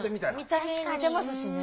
見た目似てますしね。